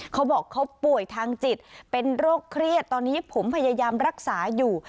เขาบอกเขาป่วยทางจิตเป็นโรคเครียดตอนนี้ผมพยายามรักษาอยู่